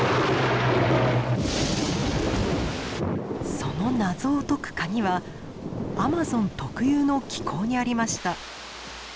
その謎を解く鍵はアマゾン特有の気候にありました。